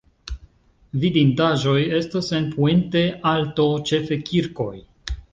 Vidindaĵoj estas en Puente Alto ĉefe kirkoj.